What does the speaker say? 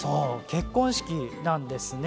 結婚式なんです。